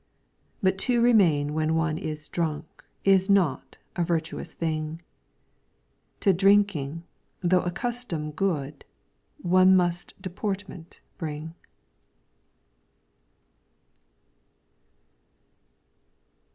But to remain when one is drunk Is not a virtuous thing. To drinking, though a custom good. One must deportment bring.